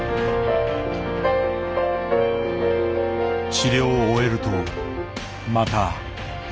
治療を終えるとまたピアノ。